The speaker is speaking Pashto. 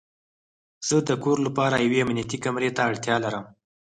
زه د کور لپاره یوې امنیتي کامرې ته اړتیا لرم